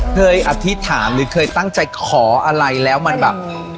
อธิษฐานหรือเคยตั้งใจขออะไรแล้วมันแบบ